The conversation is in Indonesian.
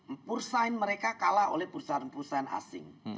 mpursain mereka kalah oleh pusa pusa asing